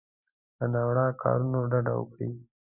له ناوړو کارونو ډډه وکړي.